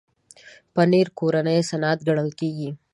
پنېر کورنی صنعت ګڼل کېږي.